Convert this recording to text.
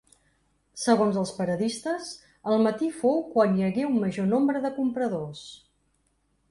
Segons els paradistes el matí fou quan hi hagué un major nombre de compradors.